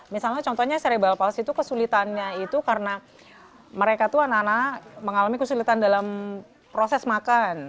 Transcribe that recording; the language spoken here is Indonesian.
misalnya contohnya serebel pals itu kesulitannya itu karena mereka itu anak anak mengalami kesulitan dalam proses makan